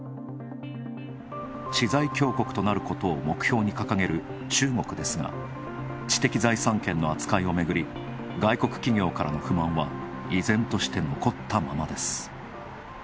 知財強国となることを目標に掲げる中国ですが知的財産権の扱いをめぐり、外国企業からの不満は依然として残ったままです。